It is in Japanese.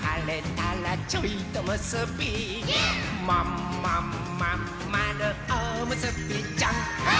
「まんまんまんまるおむすびちゃん」はいっ！